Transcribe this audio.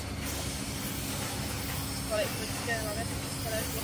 Po stranách je stuha lemována úzkými červenými pruhy.